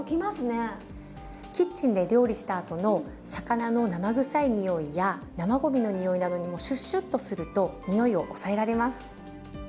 キッチンで料理したあとの魚の生臭い臭いや生ごみの臭いなどにもシュッシュッとすると臭いを抑えられます。